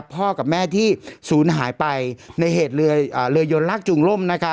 พ่อกับแม่ที่สูญหายไปในเหตุเรือยนลักษณ์จุงร่ม